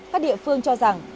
các địa phương cho rằng